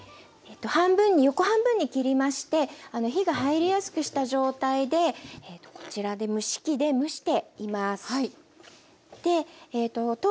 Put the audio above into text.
半分に横半分に切りまして火が入りやすくした状態でこちらで蒸し器で蒸しています。